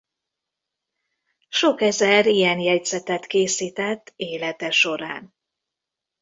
Sok ezer ilyen jegyzetet készített élete során.